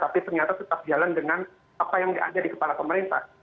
tapi ternyata tetap jalan dengan apa yang ada di kepala pemerintah